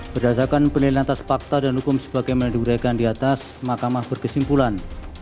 berdasarkan penelitian atas fakta dan hukum sebagai menedurakan di atas mahkamah berkesimpulan